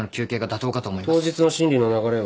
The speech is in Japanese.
当日の審理の流れは？